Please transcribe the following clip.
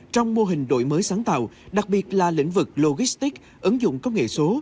trong mô hình đổi mới sáng tạo đặc biệt là lĩnh vực logistic ứng dụng công nghệ số